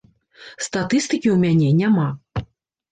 Статыстыкі ў мяне няма.